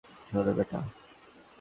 শোন, বেটা।